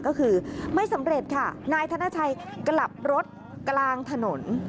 ก็คือไม่สำเร็จค่ะนายธนชัยกลับรถกลางถนน